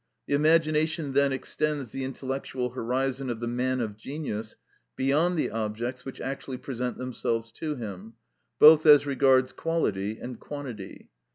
The imagination then extends the intellectual horizon of the man of genius beyond the objects which actually present themselves to him, both as regards quality and quantity.